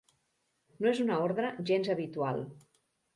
No és una ordre gens habitual.